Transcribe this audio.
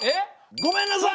ごめんなさい。